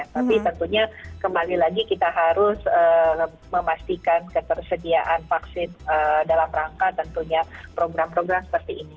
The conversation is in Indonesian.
tapi tentunya kembali lagi kita harus memastikan ketersediaan vaksin dalam rangka tentunya program program seperti ini